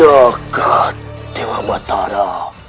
agat dewa batara